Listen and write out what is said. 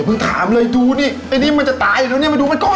น้องต่อมาแล้ว